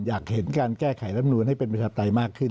อยากเห็นการแก้ไขร่มนุษย์ให้เป็นประชาธรรมไตรมากขึ้น